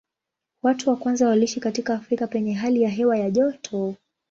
Watu wa kwanza waliishi katika Afrika penye hali ya hewa ya joto.